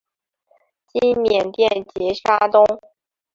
今缅甸杰沙东。